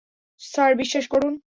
Sir, বিশ্বাস করুন।